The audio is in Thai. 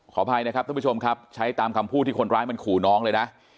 คุณผู้ชมครับใช้ตามคำพูดที่คนร้ายมันขู่น้องเลยนะ